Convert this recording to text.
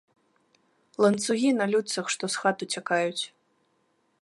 Ланцугі на людцах, што з хат уцякаюць.